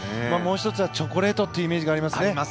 もう１つはチョコレートというイメージがありますね。